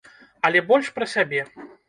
Але больш пра сябе.